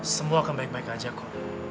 semua akan baik baik aja kok